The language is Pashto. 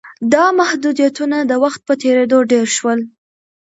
دا محدودیتونه د وخت په تېرېدو ډېر شول